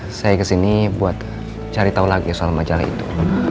saya kesini buat cari tahu lagi soal majalah itu